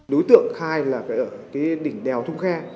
đối tượng khai là ở đỉnh đèo thông khe